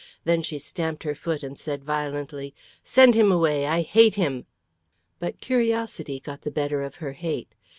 Then she stamped her foot and said violently, "Send him away! I hate him." But curiosity got the better of her hate.